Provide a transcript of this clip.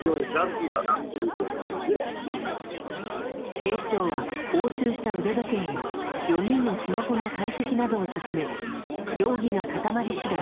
警視庁は押収した腕時計や４人のスマホの解析などを進め容疑が固まり次第